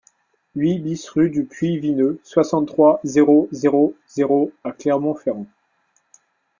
huit BIS rue du Puy Vineux, soixante-trois, zéro zéro zéro à Clermont-Ferrand